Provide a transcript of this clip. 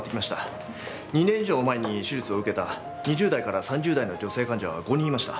２年以上前に手術を受けた２０代から３０代の女性患者は５人いました。